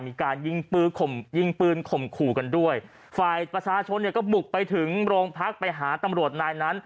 มีการยิงปืนข่มยิงปืนข่มขู่กันด้วยฝ่ายประชาชนเนี่ยก็บุกไปถึงโรงพักไปหาตำรวจนายนั้น